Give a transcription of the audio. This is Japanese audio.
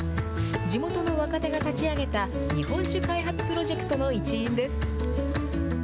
地元の若手が立ち上げた日本酒開発プロジェクトの一員です。